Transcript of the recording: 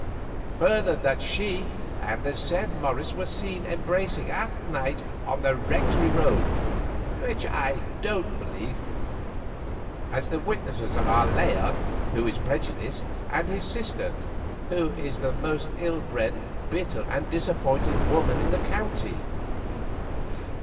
Further that she and the said Morris were seen embracing at night on the Rectory road, which I don't believe, as the witnesses are Layard, who is prejudiced, and his sister, who is the most ill bred, bitter, and disappointed woman in the county.